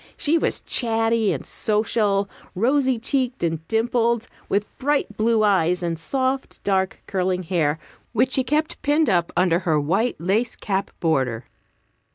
She was chatty and social, rosy cheeked and dimpled, with bright blue eyes and soft, dark, curling hair, which she kept pinned up under her white lace cap border.